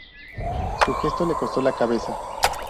Su gesto le costó la cabeza.